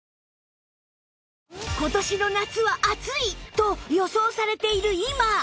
今年の夏は暑い！と予想されている今